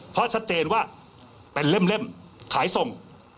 เพราะชัดเจนว่าเป็นเล่มขายส่ง